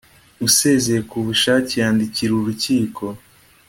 Usezeye ku bushake yandikira urukiko